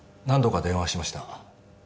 何度か電話しました。